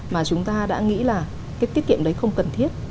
mà chúng ta đã nghĩ là cái tiết kiệm đấy không cần thiết